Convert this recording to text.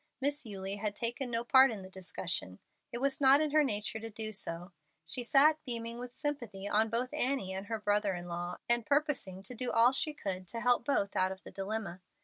Miss Eulie had taken no part in the discussion. It was not in her nature to do so. She sat beaming with sympathy on both Annie and her brother in law, and purposing to do all she could to help both out of the dilemma.